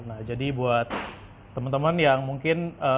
nah jadi buat temen temen yang mungkin hari ini masih di jalan